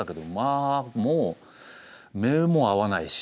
あもう目も合わないし。